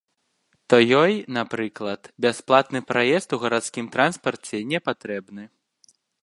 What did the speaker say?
То ёй, напрыклад, бясплатны праезд у гарадскім транспарце не патрэбны.